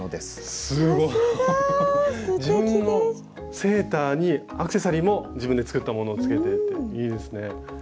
すごい！自分のセーターにアクセサリーも自分で作ったものをつけていていいですね。